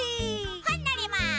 ほんのります！